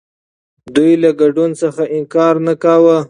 دوی له ګډون څخه انکار نه کاوه.